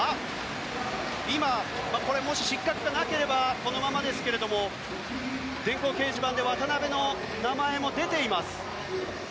もし失格がなければこのままですけれども電光掲示板で渡辺の名前も出ています。